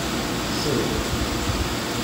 Sseḍ.